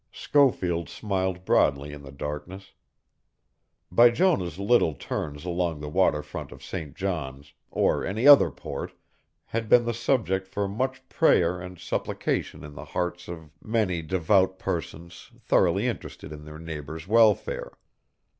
Schofield smiled broadly in the darkness. Bijonah's little turns along the water front of St. John's or any other port had been the subject for much prayer and supplication in the hearts of many devout persons thoroughly interested in their neighbor's welfare.